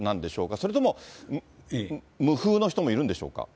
それとも、無風の人もいるんでしょうか？